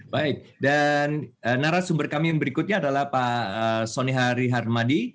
baik dan narasumber kami yang berikutnya adalah pak soni hari harmadi